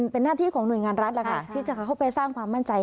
เป็นหน้าที่ของหน่วยงานรัฐแล้วค่ะที่จะเข้าไปสร้างความมั่นใจ